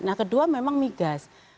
nah kedua memang migas